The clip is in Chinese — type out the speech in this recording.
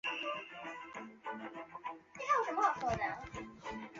日本突腹蛛为拟态蛛科突腹蛛属的动物。